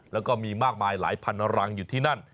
แล้วก็มีมากมายหลายพันรังอยู่ที่นั่น